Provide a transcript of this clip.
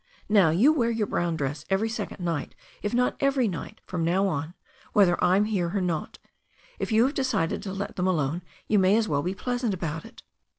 Now you wear your browm dress every second night if not every night, from now on, whether I'm here or not. If you have decided to let them alone, you may as well be pleasant about it."